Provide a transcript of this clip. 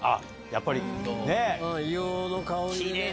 やっぱりねえ。